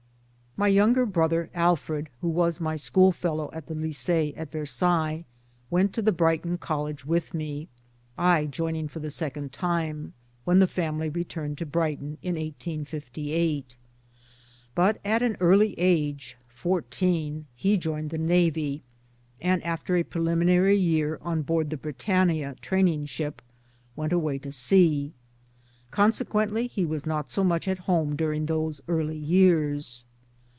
My younger brother, Alfred, who was my school fellow at the Lyce*e at Versailles, went to the Brighton College with me (I joining for the second time) when the family returned to Brighton in 1858. But at an early age (fourteen) he joined the Navy, and after a preliminary year on board the Britannia training ship, went away to sea. Consequently he was not so much at home during those early years.